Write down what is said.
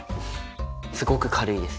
すごく軽いです。